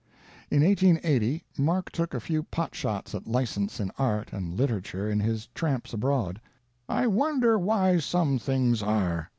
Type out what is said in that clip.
In 1880 Mark took a few pot shots at license in Art and Literature in his Tramp Abroad, "I wonder why some things are?